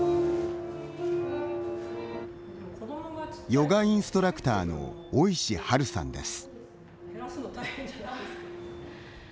ヨガインストラクターの尾石晴さんです。